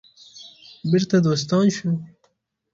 بیرته دوستان شو.